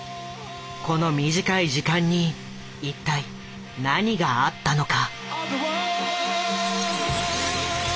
この短い時間に一体何があったのか。